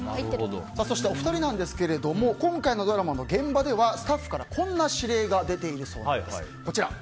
お二人ですが、今回のドラマの現場では、スタッフからこんな指令が出ているそうなんです。